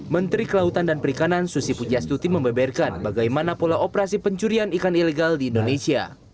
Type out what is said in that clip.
menteri kelautan dan perikanan susi pujastuti membeberkan bagaimana pola operasi pencurian ikan ilegal di indonesia